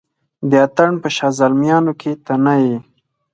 د اتڼ په شاه زلمیانو کې ته نه یې